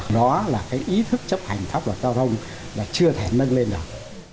đó là cái ý thức chấp hành pháp luật giao thông là chưa thể nâng lên được